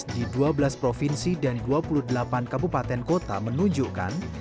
di dua belas provinsi dan dua puluh delapan kabupaten kota menunjukkan